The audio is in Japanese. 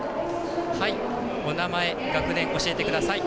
お名前、学年、教えてください。